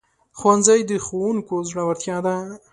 ښوونځی د ښوونکو زړورتیا ده